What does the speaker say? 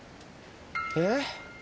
えっ。